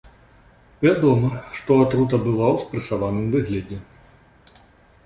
Вядома, што атрута была ў спрэсаваным выглядзе.